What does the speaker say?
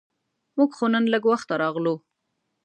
مونږ خو نن لږ وخته راغلو.